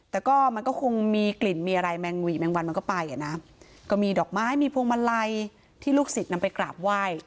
แต่ก็มันก็คงมีกลิ่นมีอะไรแมงหวีแมงวันมันก็ไปอ่ะนะก็มีดอกไม้มีพวงมาลัยที่ลูกศิษย์นำไปกราบไหว้